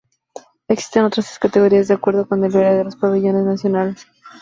Existieron otras tres categorías de acuerdo con el área de los pabellones nacionales.